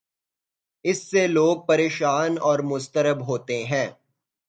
اس سے لوگ پریشان اور مضطرب ہوتے ہیں۔